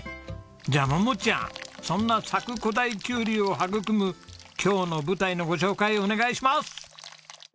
じゃあ桃ちゃんそんな佐久古太きゅうりを育む今日の舞台のご紹介お願いします！